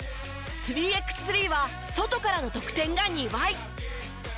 ３ｘ３は外からの得点が２倍。